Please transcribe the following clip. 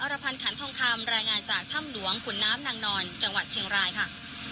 รพันธ์ขันทองคำรายงานจากถ้ำหลวงขุนน้ำนางนอนจังหวัดเชียงรายค่ะ